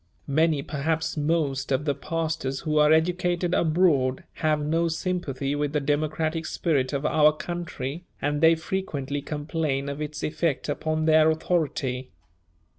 Many, perhaps most, of the pastors who are educated abroad have no sympathy with the democratic spirit of our country, and they frequently complain of its effect upon their authority.